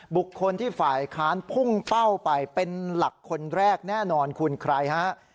บุคคลที่ฝ่ายค้านพุ่งเป้าไปเป็นหลักคนแรกแน่นอนคุณใครฮะ